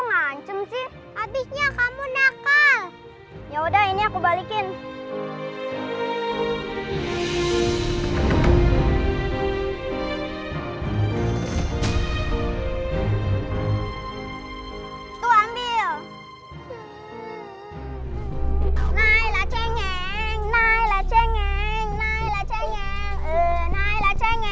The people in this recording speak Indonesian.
ngancem sih habisnya kamu nakal ya udah ini aku balikin tuh ambil